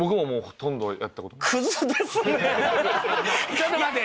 ちょっと待て。